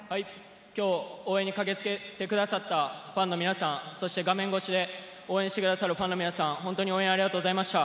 きょう応援に駆けつけてくださったファンの皆さん、そして画面越しで応援してくださったファンの皆さま、応援ありがとうございました。